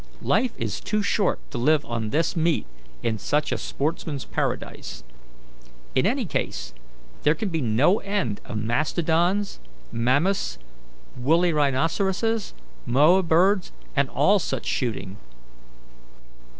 Life is too short to live on this meat in such a sportsman's paradise. In any case there can be no end of mastodons, mammoths, woolly rhinoceroses, moa birds, and all such shooting."